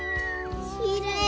きれい！